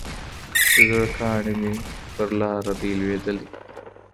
د زړه كاڼى مي پر لاره دى لــوېـدلى